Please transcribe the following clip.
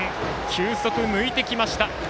球速、抜いてきました。